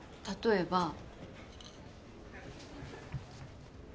例えば。